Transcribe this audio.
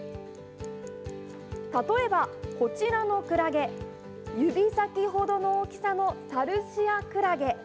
例えばこちらのクラゲ、指先ほどの大きさのサルシアクラゲ。